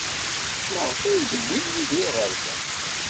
Maɣef ay d-wwin Yidir ɣer da?